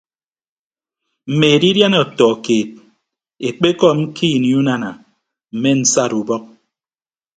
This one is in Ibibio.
Mme edidiana ọtọ keed ekpekọm ke ini unana mme nsat ubọk.